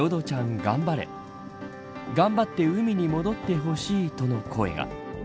頑張れ頑張って海に戻ってほしいとの声が。